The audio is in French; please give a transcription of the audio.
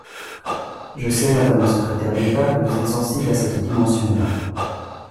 Je sais, madame la secrétaire d’État, que vous êtes sensible à cette dimension-là.